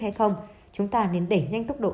hay không chúng ta nên đẩy nhanh tốc độ